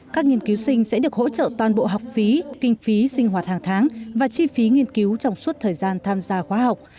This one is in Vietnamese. các nghiên cứu sinh sẽ được hỗ trợ toàn bộ học phí kinh phí sinh hoạt hàng tháng và chi phí nghiên cứu trong suốt thời gian tham gia khóa học